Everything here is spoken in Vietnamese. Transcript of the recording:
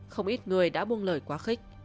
không ít người đã buông lời quá khích